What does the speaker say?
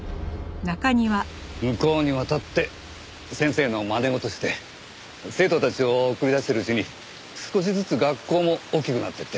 向こうに渡って先生のまね事して生徒たちを送り出しているうちに少しずつ学校も大きくなってって。